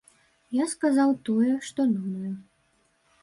Я сказаў тое, што думаю.